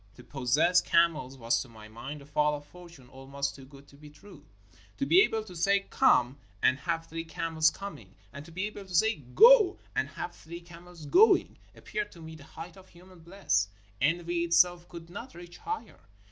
To possess camels was to my mind a fall of fortune almost too good to be true. To be able to say "Come" and have three camels coming; and to be able to say ''Go" and have three camels going, appeared to me the height of human bliss — envy itself could not reach higher.